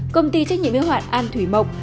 công ty trách nhiệm hiếu hoạn an thủy mộc